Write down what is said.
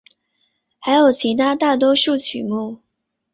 还有其他大多数曲目。